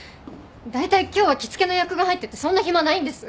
だいたい今日は着付けの予約が入っててそんな暇ないんです。